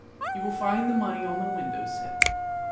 You will find the money on the window sill.'